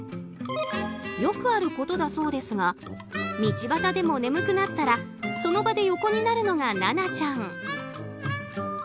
よくあることだそうですが道端でも眠くなったらその場で横になるのがななちゃん。